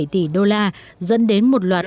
ba bảy tỷ đô la dẫn đến một loạt